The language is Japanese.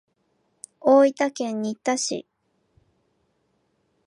大分県日田市